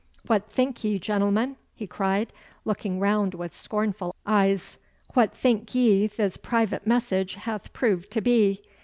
'What think ye, gentlemen!' he cried, looking round with scornful eyes; 'what think ye this private message hath proved to be?